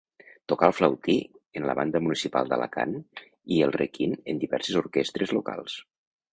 Tocà el flautí en la banda municipal d'Alacant, i el requint en diverses orquestres locals.